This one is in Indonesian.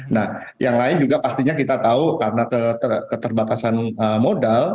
nah yang lain juga pastinya kita tahu karena keterbatasan modal